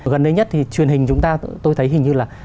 gần đây nhất thì truyền hình chúng ta tôi thấy hình như là